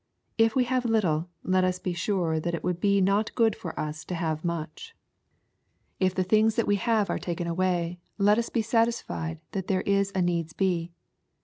If we have little, let us be sure that it would be not ^ood for us to have much« LUKE, CHAP. XII. 73 If the things that we have are taken away, let us be satisfied that there is a needs be.